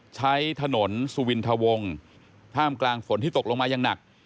ใช้ถนนสุวินทะวงท่ามกลางฝนที่ตกลงมาอย่างหนัก